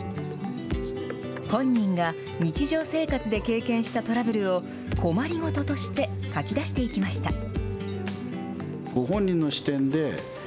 本人が日常生活で経験したトラブルを、困りごととして、書き出していきました。